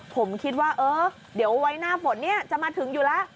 ผมคิดว่าเดี๋ยวไว้หน้าผลจะมาถึงอยู่แล้ว